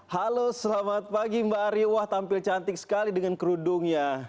halo selamat pagi mbak ari wah tampil cantik sekali dengan kerudungnya